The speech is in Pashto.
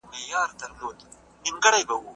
زده کړه انسان ته شعور ورکوي.